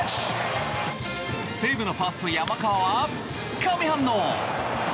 西武のファースト、山川は神反応。